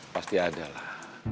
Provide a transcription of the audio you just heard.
pasti ada lah